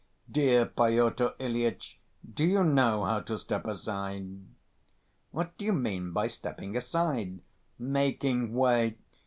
Dear Pyotr Ilyitch, do you know how to step aside?" "What do you mean by 'stepping aside'?" "Making way.